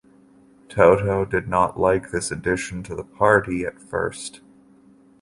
Toto did not like this addition to the party, at first.